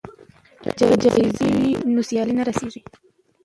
که جایزه وي نو سیالي نه سړه کیږي.